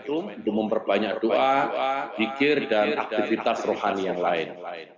untuk memperbanyak doa zikir dan aktivitas rohani yang lain